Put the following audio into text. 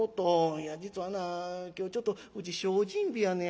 いや実はな今日ちょっとうち精進日やのやわ。